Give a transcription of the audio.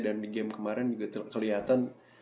dan di game kemarin juga keliatan